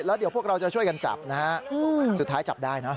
แล้วเดี๋ยวพวกเราจะช่วยกันจับนะฮะสุดท้ายจับได้นะ